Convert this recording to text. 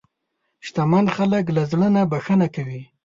شتمن خلک له زړه نه بښنه کوي.